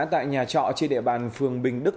tại nhà trọ trên địa bàn phường bình đức